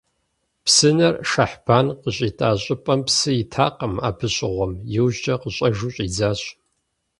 Псынэр Шэхьбан къыщитӀа щӀыпӀэм псы итакъым абы щыгъуэм, иужькӀэ къыщӀэжу щӀидзащ.